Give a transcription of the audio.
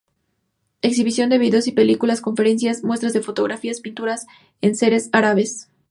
Exhibición de videos y películas, conferencias, muestra de fotografías, pinturas, enseres árabes.